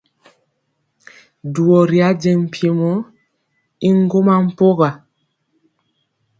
Dubɔ ri ajeŋ mpiemɔ y ŋgɔma mpɔga.